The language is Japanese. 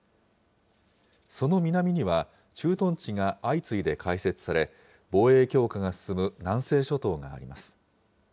その南には駐屯地が相次いで開設され、防衛強化が進む南西諸島があります。